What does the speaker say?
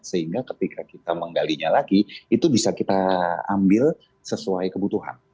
sehingga ketika kita menggalinya lagi itu bisa kita ambil sesuai kebutuhan